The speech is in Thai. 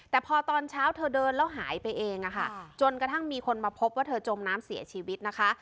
แต่พอตอนเช้าเธอเดินแล้วหายไปเองจนกระทั่งมีคนมาพบว่าเธอจมน้ำเสียชีวิตนะคะ